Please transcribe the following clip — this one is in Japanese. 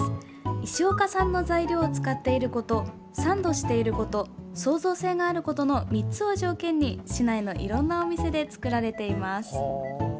石岡産の材料を使っていることサンドしていること創造性があることの３つを条件に市内のいろんなお店で作られています。